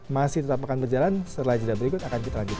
masih tetap akan berjalan setelah jeda berikut akan kita lanjutkan